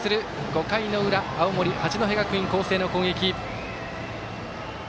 ５回裏青森、八戸学院光星の攻撃。